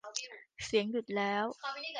เสียงหยุดแล้ว